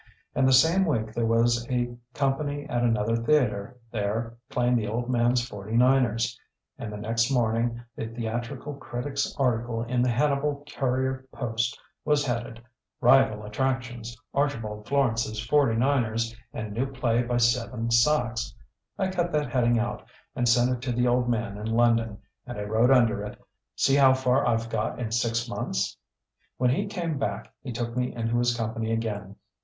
And the same week there was a company at another theatre there playing the old man's 'Forty Niners.' And the next morning the theatrical critic's article in the Hannibal Courier Post was headed: 'Rival attractions. Archibald Florance's "Forty Niners" and new play by Seven Sachs.' I cut that heading out and sent it to the old man in London, and I wrote under it, 'See how far I've got in six months.' When he came back he took me into his company again....